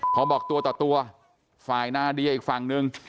พอบอกตัวต่อตัวฝ่ายนาเดียอีกฝั่งนึง